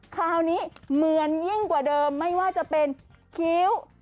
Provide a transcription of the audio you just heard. คราวนี้เหมือนยิ่งกว่าเดิมไม่ว่าจะเป็นคิ้ว